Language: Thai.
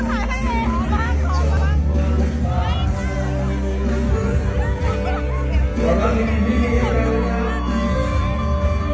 ไม่อยู่ช่วงที่หัวใจมีอะไรอยู่